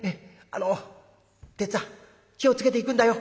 あのてっつぁん気を付けて行くんだよ。